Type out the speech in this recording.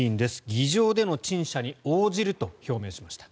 議場での陳謝に応じると表明しました。